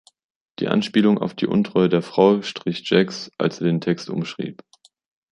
Die Anspielungen auf die Untreue der Frau strich Jacks, als er den Text umschrieb.